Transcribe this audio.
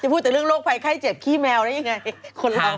จะพูดแต่เรื่องโรคภัยไข้เจ็บใครงั้น